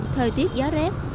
thời tiết gió rét